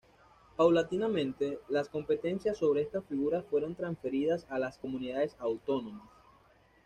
Paulatinamente, las competencias sobre estas figuras fueron transferidas a las comunidades autónomas.